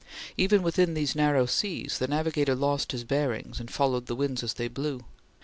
Even within these narrow seas the navigator lost his bearings and followed the winds as they blew.